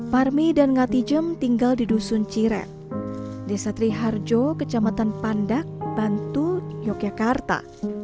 parmi dan ngati jem tinggal di dusun ciren desa triharjo kecamatan pandak bantu yogyakarta